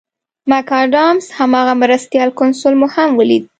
مک اډمز هماغه مرستیال کونسل مو هم ولید.